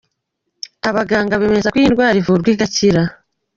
Abaganga bemeza ko iyi ndwara ivurwa igakira.